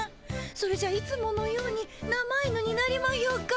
それじゃいつものように生犬になりまひょか。